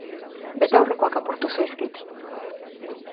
Betaurrekoak apurtu zaizkit